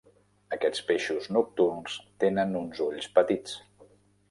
Aquests peixos nocturns tenen uns ulls petits.